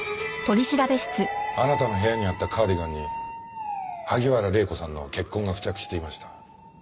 あなたの部屋にあったカーディガンに萩原礼子さんの血痕が付着していました。